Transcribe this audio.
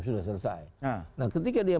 sudah selesai nah ketika dia